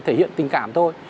nó chỉ thể hiện tình cảm thôi